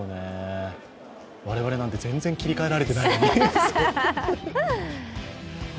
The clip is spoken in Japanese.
我々なんか、全然切り替えられていないですよ。